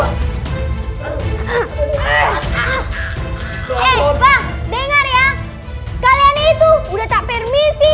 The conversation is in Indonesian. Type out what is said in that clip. pak dengar ya kalian itu udah tak permisi